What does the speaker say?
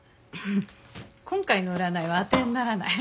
今回の占いは当てにならない。